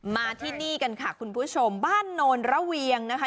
มาที่นี่กันค่ะคุณผู้ชมบ้านโนนระเวียงนะคะ